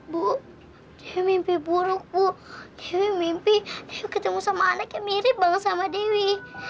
bu dewi mimpi buruk bu dewi mimpi ketemu sama anak yang mirip banget sama dewi